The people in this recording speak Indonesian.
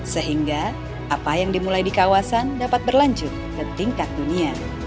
sehingga apa yang dimulai di kawasan dapat berlanjut ke tingkat dunia